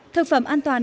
thực phẩm an toàn